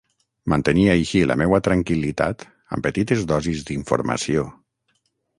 Mantenia així la meua tranquil·litat amb petites dosis d'informació.